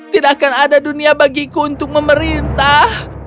tidak akan ada dunia bagiku untuk memerintah